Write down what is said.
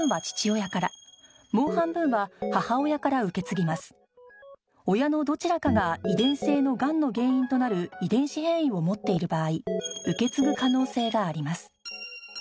親のどちらかが遺伝性のがんの原因となる遺伝子変異を持っている場合受け継ぐ可能性があります